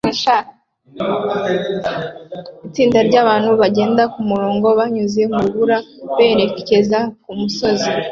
Itsinda ryabantu bagenda kumurongo banyuze mu rubura berekeza kumusozi